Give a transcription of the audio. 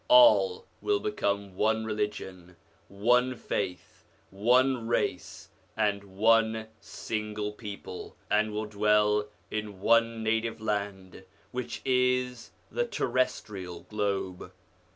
All will become one religion, one faith, one race, and one single people, and will dwell in one native land, which is the terrestrial globe.